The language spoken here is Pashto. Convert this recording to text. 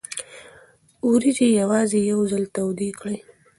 وریجې یوازې یو ځل تودې کړئ.